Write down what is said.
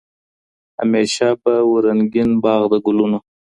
همېشه به و رنګین باغ د ګلونو